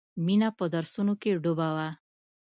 مینه په درسونو کې ډوبه وه